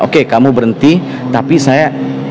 oke kamu berhenti tapi saya